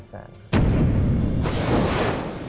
๖๗แสน